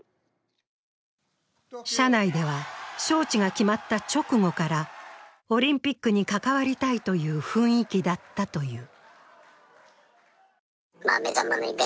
社内では、招致が決まった直後からオリンピックに関わりたいという雰囲気だったという。